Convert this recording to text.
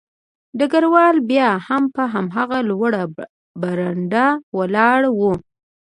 ډګروال بیا هم په هماغه لوړه برنډه ولاړ و